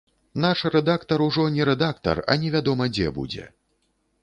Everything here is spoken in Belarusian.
Наш рэдактар ужо не рэдактар, а невядома дзе будзе.